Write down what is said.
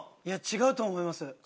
違うと思います？